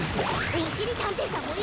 おしりたんていさんもいそいで！